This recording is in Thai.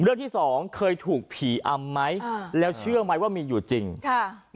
ที่สองเคยถูกผีอำไหมอ่าแล้วเชื่อไหมว่ามีอยู่จริงค่ะ